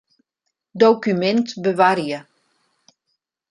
Dokumint bewarje.